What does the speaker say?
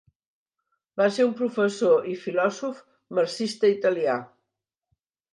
Va ser un professor i filòsof marxista italià.